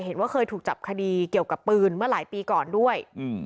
เห็นว่าเคยถูกจับคดีเกี่ยวกับปืนเมื่อหลายปีก่อนด้วย